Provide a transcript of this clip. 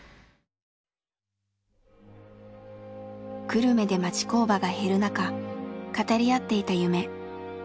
久留米で町工場が減る中語り合っていた夢。